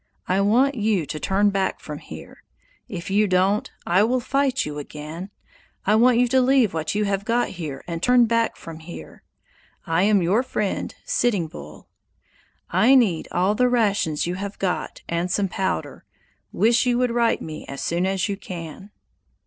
I want you to turn back from here. If you don't, I will fight you again. I want you to leave what you have got here and turn back from here. "I am your friend "Sitting Bull." "I need all the rations you have got and some powder. Wish you would write me as soon as you can."